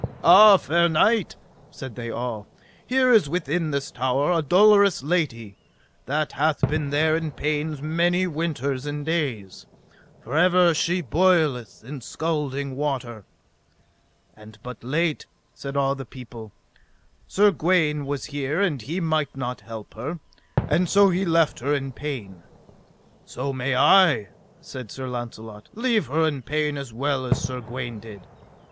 Ah, fair knight, said they all, here is within this tower a dolorous lady that hath been there in pains many winters and days, for ever she boileth in scalding water; and but late, said all the people, Sir Gawaine was here and he might not help her, and so he left her in pain. So may I, said Sir Launcelot, leave her in pain as well as Sir Gawaine did.